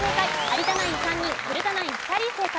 有田ナイン３人古田ナイン２人正解です。